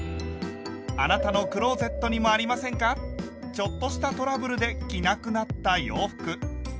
ちょっとしたトラブルで着なくなった洋服。